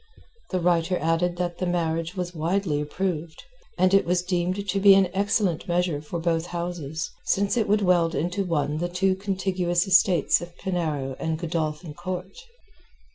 The writer added that the marriage was widely approved, and it was deemed to be an excellent measure for both houses, since it would weld into one the two contiguous estates of Penarrow and Godolphin Court.